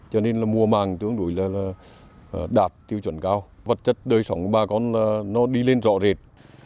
cho nên là mùa màng tương đối là đạt tiêu chuẩn cao vật chất đời sống của bà con nó đi lên rõ rệt